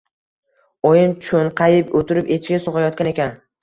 Oyim cho‘nqayib o‘tirib, echki sog‘ayotgan ekan.